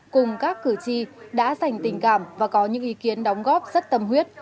cùng các cử tri đã dành tình cảm và có những ý kiến đóng góp rất tâm huyết